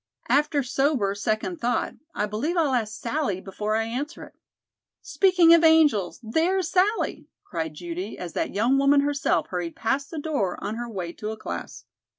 After sober, second thought, I believe I'll ask Sallie before I answer it." "Speaking of angels there is Sallie!" cried Judy, as that young woman herself hurried past the door on her way to a class.